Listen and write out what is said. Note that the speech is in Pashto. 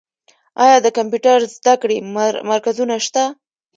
آیا د کمپیوټر زده کړې مرکزونه شته؟